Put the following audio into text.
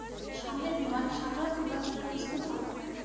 সামনের বিমান, সাধারণ হামলার জন্য প্রস্তুত হও।